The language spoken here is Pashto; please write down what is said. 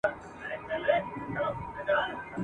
افغانان په تېښته ول.